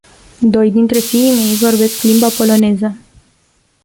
Doi dintre fiii mei vorbesc limba poloneză.